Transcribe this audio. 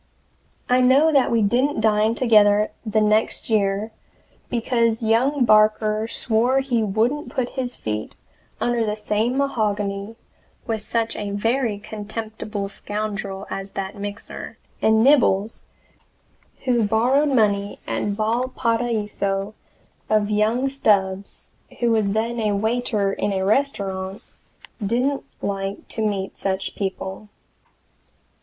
I know that we didn't dine together the next year, because young Barker swore he wouldn't put his feet under the same mahogany with such a very contemptible scoundrel as that Mixer; and Nibbles, who borrowed money at Valparaiso of young Stubbs, who was then a waiter in a restaurant, didn't like to meet such people.